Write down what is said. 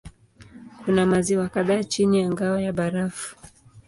Kuna maziwa kadhaa chini ya ngao ya barafu.